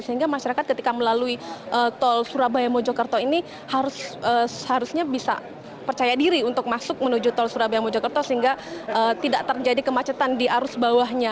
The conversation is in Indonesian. sehingga masyarakat ketika melalui tol surabaya mojokerto ini seharusnya bisa percaya diri untuk masuk menuju tol surabaya mojokerto sehingga tidak terjadi kemacetan di arus bawahnya